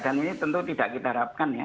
dan ini tentu tidak kita harapkan ya